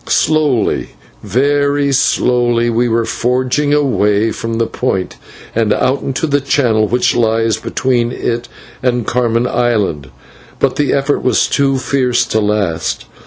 Slowly, very slowly, we were forging away from the Point and out into the channel which lies between it and Carmen Island, but the effort was too fierce to last.